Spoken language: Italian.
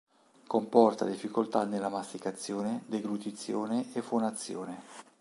Comporta difficoltà nella masticazione, deglutizione e fonazione.